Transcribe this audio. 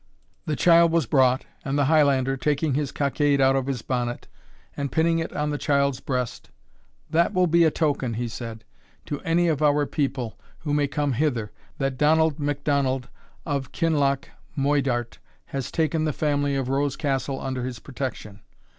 The child was brought, and the Highlander, taking his cockade out of his bonnet, and pinning it on the child's breast, "That will be a token," he said, "to any of our people who may come hither, that Donald McDonald of Kinloch Moidart, has taken the family of Rose Castle under his protection."